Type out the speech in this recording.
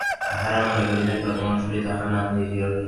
তাঁহারা মনে করিতেন, প্রথমাংশটি তাঁহার নাম, দ্বিতীয়টি তাঁহার উপাধি।